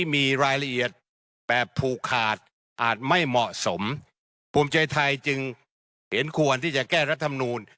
ปรับเวลาให้เหมาะสมภูมิใจไทยจึงเห็นควรที่จะแก้รัฐธรรมนูญ